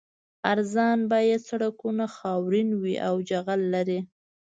ارزان بیه سړکونه خاورین وي او جغل لري